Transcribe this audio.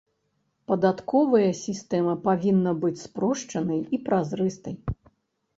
Падатковая сістэма павінна быць спрошчанай і празрыстай.